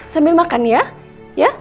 sambil makan ya